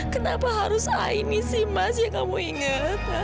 kenapa harus aini sih mas yang kamu ingat